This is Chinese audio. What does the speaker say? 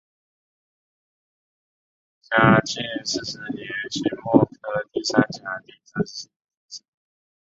嘉靖四十年辛未科第三甲第三十七名进士。